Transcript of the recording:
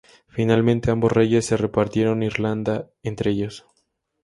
Finalmente, ambos reyes se repartieron Irlanda entre ellos.